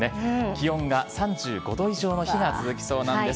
気温が３５度以上の日が続きそうなんです。